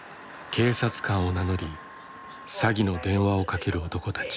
警察官を名乗り詐欺の電話をかける男たち。